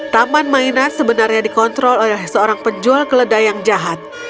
taman mainan sebenarnya dikontrol oleh seorang penjual keledai yang jahat